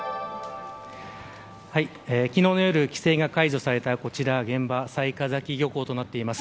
昨日の夜、規制が解除されたこちら現場雑賀崎漁港となっています。